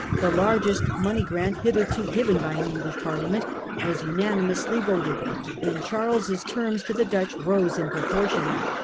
the largest money grant hitherto given by an English Parliament, was unanimously voted ; and Charles's terms to the Dutch rose in proportion.